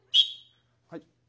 はい！